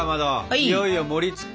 いよいよ盛りつ。